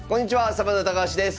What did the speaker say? サバンナ高橋です。